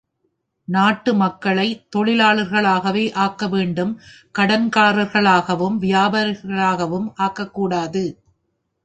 நாட்டு மக்களைத் தொழிலாளர்களாகவே ஆக்கவேண்டும் கடன்காரர்களாகவும் வியாபாரிகளாகவும் ஆக்கக்கூடாது.